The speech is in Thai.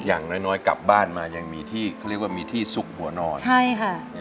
อย่างน้อยกลับบ้านมายังมีที่มีที่สุกหัวนอน